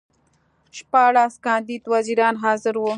شپاړس کاندید وزیران حاضر وو.